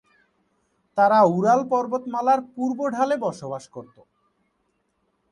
তারা উরাল পর্বতমালার পূর্ব ঢালে বসবাস করত।